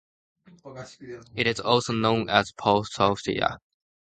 It is also known as "Paulchoffia".